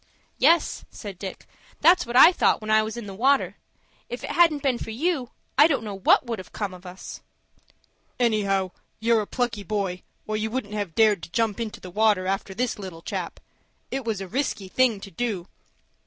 "Yes," said Dick. "That's what I thought when I was in the water. If it hadn't been for you, I don't know what would have 'come of us." "Anyhow you're a plucky boy, or you wouldn't have dared to jump into the water after this little chap. It was a risky thing to do."